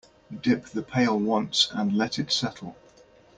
Dip the pail once and let it settle.